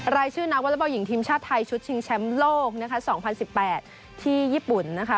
รายชื่อนักวอเล็กบอลหญิงทีมชาติไทยชุดชิงแชมป์โลกนะคะ๒๐๑๘ที่ญี่ปุ่นนะคะ